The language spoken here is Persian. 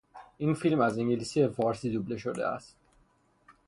این فیلم از انگلیسی به فارسی دوبله شده است.